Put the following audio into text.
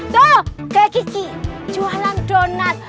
toh kayak kiki jualan donat